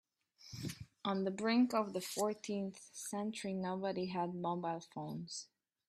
On the brink of the fourteenth century, nobody had mobile phones.